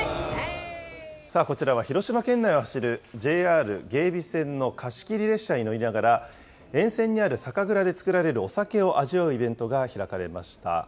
こちらは広島県内を走る、ＪＲ芸備線の貸し切り列車に乗りながら、沿線にある酒蔵で造られるお酒を味わうイベントが開かれました。